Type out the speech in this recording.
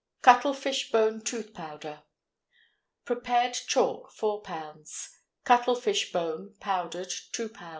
CUTTLEFISH BONE TOOTH POWDER. Prepared chalk 4 lb. Cuttlefish bone, powdered 2 lb.